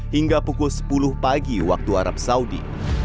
hingga pukul sepuluh pagi waktu arab saudi